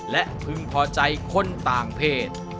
และพึงพอใจคนต่างเพศ